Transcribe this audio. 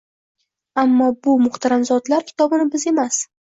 Ammo, bu muhtaram zotlar kitobini biz emas